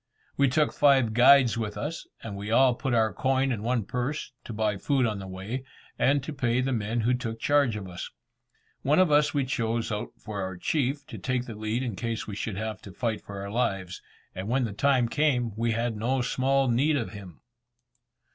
We took five guides with us, and we all put our coin in one purse, to buy food on the way, and to pay the men who took charge of us. One of us we chose out for our chief, to take the lead in case we should have to fight for our lives; and when the time came, we had no small need of him.